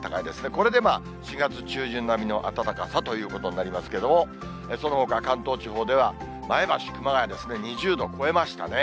これでまあ、４月中旬並みの暖かさということになりますけども、そのほか関東地方では前橋、熊谷ですね、２０度を超えましたね。